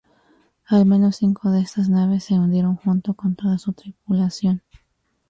Al menos cinco de estas naves se hundieron junto con toda su tripulación.